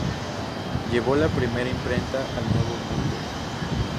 Llevó la primera imprenta al Nuevo Mundo.